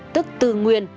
tức tư nguyên